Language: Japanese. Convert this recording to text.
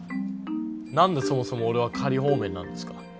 何でそもそも俺は仮放免なんですか？